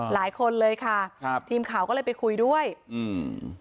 หลายคนเลยค่ะครับทีมข่าวก็เลยไปคุยด้วยอืม